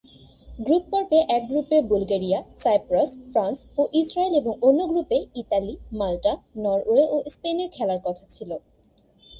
Group পর্বে এক গ্রুপে বুলগেরিয়া, সাইপ্রাস, ফ্রান্স ও ইসরায়েল এবং অন্য গ্রুপে ইতালি, মাল্টা, নরওয়ে ও স্পেনের খেলার কথা ছিল।